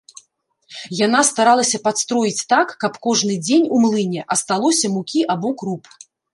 Яна старалася падстроіць так, каб кожны дзень у млыне асталося мукі або круп.